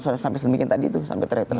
sampai sedemikian tadi itu sampai teretan